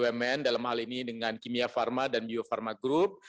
kita bersama dengan bumn dalam hal ini dengan kimia pharma dan bio pharma group